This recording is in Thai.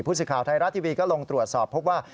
ผู้สื่อข่าวไทยรัฐทีวีก็ลงตรวจสอบพบว่า